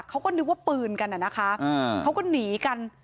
เขาก็นึกว่าปืนกันน่ะนะคะเขาก็หนีกัน